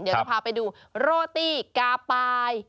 เดี๋ยวจะพาไปดูโรตี้กาปาย